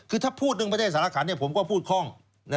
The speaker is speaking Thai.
คือถ้าพูดเรื่องประเทศสารขันผมก็พูดคล่อง